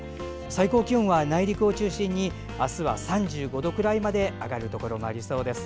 最高気温は内陸を中心にあすは３５度くらいまで上がるところもありそうです。